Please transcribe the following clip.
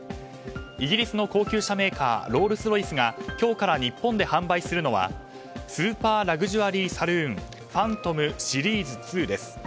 イギリスの高級車メーカーロールス・ロイスが今日から日本で販売するのはスーパー・ラグジュアリー・サルーン「ファントム・シリーズ２」です。